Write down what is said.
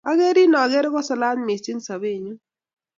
Akerin akere kosalat missing' sobennyu.